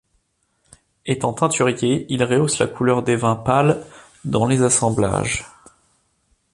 Étant teinturier, il rehausse la couleur des vins pâles dans les assemblages.